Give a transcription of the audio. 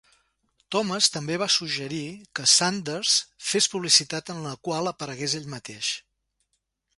Thomas també va suggerir que Sanders fes publicitat en la qual aparegués ell mateix.